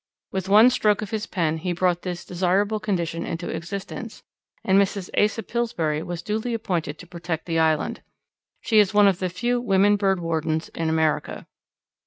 With one stroke of his pen he brought this desirable condition into existence, and Mrs. Asa Pillsbury was duly appointed to protect the island. She is one of the few women bird wardens in America.